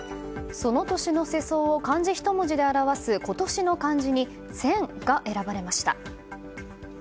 その年の世相を漢字一文字で表す今年の漢字に「戦」が選ばれました。